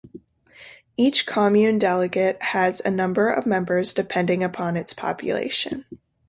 Each commune delegate has a number of members depending upon its population.